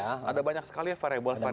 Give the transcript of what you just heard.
persis ada banyak sekali variable variable